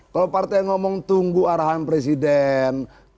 kalau partai ngomong tunggu arahan presiden